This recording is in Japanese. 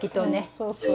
そうそう。